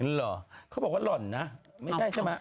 เหรอเขาบอกว่าหล่อนนะไม่ใช่ใช่ไหม